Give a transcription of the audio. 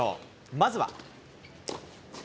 まずは。